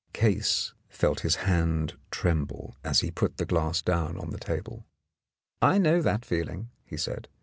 Case felt his hand tremble as he put the glass down on the table. "I know that feeling," he said.